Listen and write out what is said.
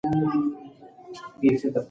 شاوخوا پنځه دېرش منظوم او